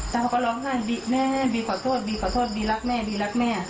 แล้วเขาก็ร้องไห้บีแม่บีขอโทษบีขอโทษบีรักแม่บีรักแม่